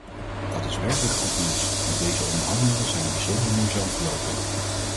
Dat is werkelijk goed nieuws, want deze onderhandelingen zijn bijzonder moeizaam verlopen.